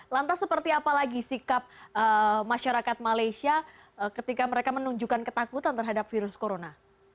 lantas seperti apa lagi sikap masyarakat malaysia ketika mereka menunjukkan ketakutan terhadap virus corona